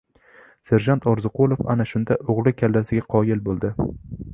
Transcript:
Serjant Orziqulov ana shunda o‘g‘li kallasiga qoyil bo‘ldi!